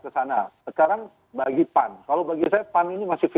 sekarang bagi pan kalau bagi saya pan ini masih lima puluh lima puluh